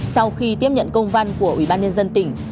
sau khi tiếp nhận công văn của ủy ban nhân dân tỉnh